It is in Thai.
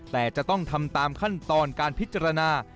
แต่จะต้องทำตามขั้นตอนการพิจารณา